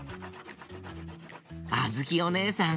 あづきおねえさん